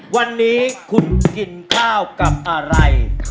วันนี้คุณกินข้าวกับอะไร